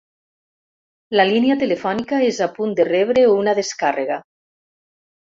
La línia telefònica és a punt de rebre una descàrrega.